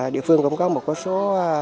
địa phương cũng có một số